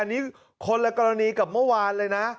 คือคนละกรณีกับเมื่อวานเลยนะ